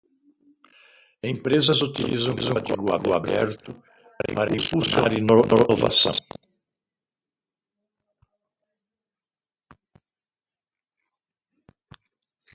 Empresas utilizam código aberto para impulsionar inovação.